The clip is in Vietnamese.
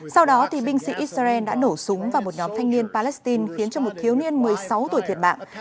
sau đó binh sĩ israel đã nổ súng vào một nhóm thanh niên palestine khiến cho một thiếu niên một mươi sáu tuổi thiệt mạng